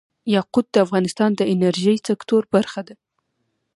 یاقوت د افغانستان د انرژۍ سکتور برخه ده.